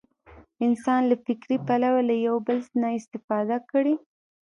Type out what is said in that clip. انسان له فکري پلوه له یو بل نه استفاده کړې.